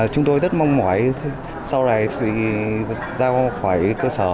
chúng tôi rất mong mỏi sau này ra khỏi cơ sở